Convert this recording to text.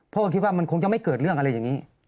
คิดว่ามันคงจะไม่เกิดเรื่องอะไรอย่างนี้